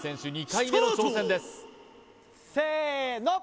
２回目の挑戦ですせーの！